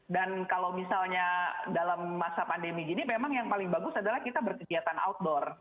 dan kalau misalnya dalam masa pandemi gini memang yang paling bagus adalah kita berkegiatan outdoor